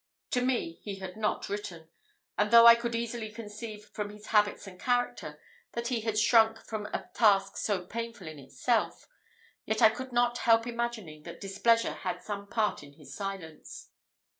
To me he had not written; and, though I could easily conceive from his habits and character, that he had shrunk from a task so painful in itself, yet I could not help imagining that displeasure had some part in his silence.